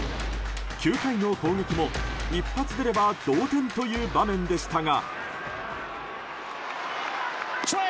９回の攻撃も一発出れば同点という場面でしたが。